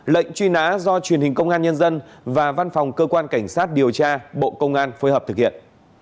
lệnh truy nã do truyền hình công an nhân dân và văn phòng cơ quan cảnh sát điều tra bộ công an phối hợp thực hiện